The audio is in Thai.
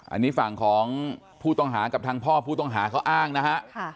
อันนี้ฝั่งของผู้ต้องหากับทางพ่อผู้ต้องหาเขาอ้างนะฮะ